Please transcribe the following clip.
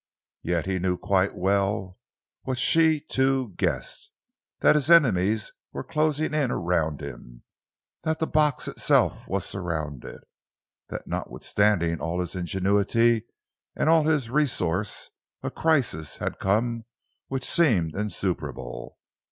Yet he knew quite well what she, too, guessed that his enemies were closing in around him, that the box itself was surrounded, that notwithstanding all his ingenuity and all his resource, a crisis had come which seemed insuperable.